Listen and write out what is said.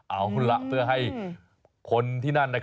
เอาคุณละเพื่อให้คนที่นั่น